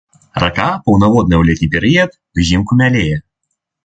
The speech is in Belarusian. Рака паўнаводная ў летні перыяд, узімку мялее.